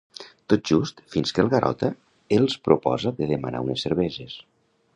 Tot just fins que el Garota els proposa de demanar unes cerveses.